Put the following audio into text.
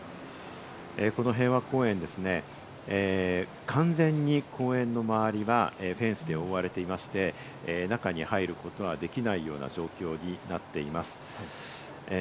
この平和公園ですね、完全に公園の周りはフェンスで覆われていまして、中に入ることはできないような状況になっています。